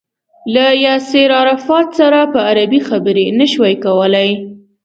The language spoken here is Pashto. له ياسر عرفات سره په عربي خبرې نه شوای کولای.